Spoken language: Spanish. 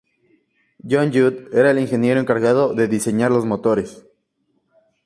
John Judd era el ingeniero encargado de diseñar los motores.